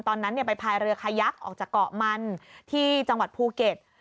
ตอนนั้นไปพายเรือขยักออกจากเกาะมันที่จังหวัดภูเก็ต